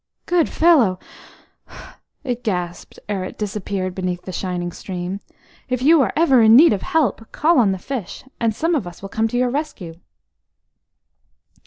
"Good fellow!" it gasped, ere it disappeared beneath the shining stream. "If ever you are in need of help, call on the fish, and some of us will come to your rescue."